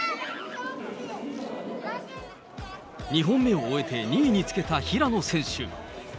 ２本目を終えて２位につけた平野選手。